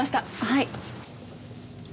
はい。